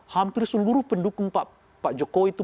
hampir seluruh pendukung pak jokowi itu